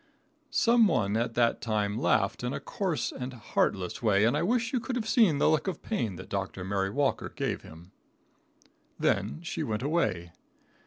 ] Some one at that time laughed in a coarse and heartless way, and I wish you could have seen the look of pain that Dr. Mary Walker gave him. Then she went away.